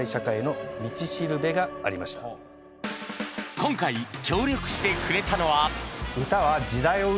今回協力してくれたのは